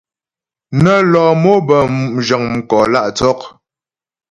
Nə́ lɔ mò bə́ mu' zhəŋ mkò lǎ' tsɔk.